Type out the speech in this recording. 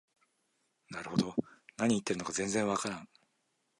なるほど、何言ってるのか全然わからん